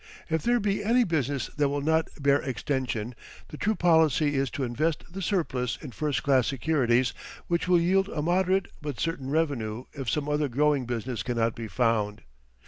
If there be any business that will not bear extension, the true policy is to invest the surplus in first class securities which will yield a moderate but certain revenue if some other growing business cannot be found.